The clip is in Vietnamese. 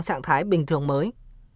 trạng thái bình thường mới